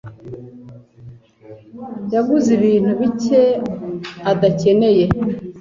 yaguze ibintu bike adakeneye.